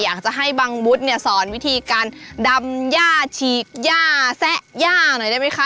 อยากจะให้บังวุฒิเนี่ยสอนวิธีการดำย่าฉีกย่าแซะย่าหน่อยได้ไหมคะ